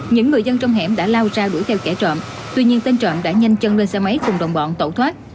những người dân trong hẻm đã lao ra đuổi theo kẻ trộm tuy nhiên tên trọn đã nhanh chân lên xe máy cùng đồng bọn tẩu thoát